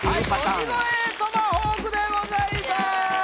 鬼越トマホークでございまーす